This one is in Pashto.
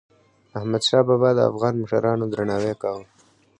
احمدشاه بابا د افغان مشرانو درناوی کاوه.